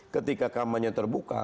ketika kampanye terbuka